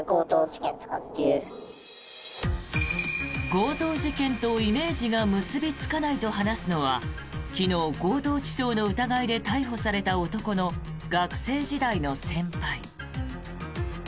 強盗事件とイメージが結びつかないと話すのは昨日、強盗致傷の疑いで逮捕された男の学生時代の先輩。